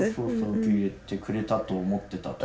受け入れてくれたと思ってた時。